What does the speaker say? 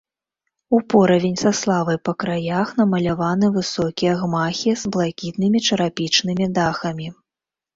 Упоравень са славай па краях намаляваны высокія гмахі з блакітнымі чарапічнымі дахамі.